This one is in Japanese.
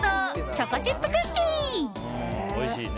チョコチップクッキー。